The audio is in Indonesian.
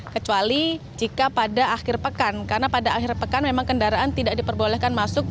kecuali jika pada akhir pekan karena pada akhir pekan memang kendaraan tidak diperbolehkan masuk